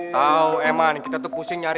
tahu eman kita tuh pusing nyari